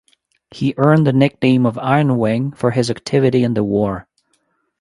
He earned the nickname of "Iron Wing" for his activity in the war.